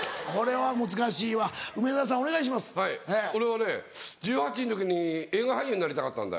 はい俺はね１８の時に映画俳優になりたかったんだよ。